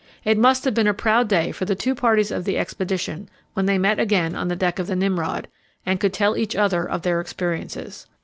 It must have been a proud day for the two parties of the expedition when they met again on the deck of the Nimrod, and could tell each other of their experiences.